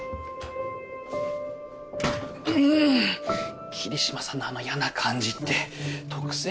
・ん桐島さんのあのやな感じって特性？